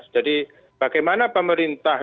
jadi bagaimana pemerintah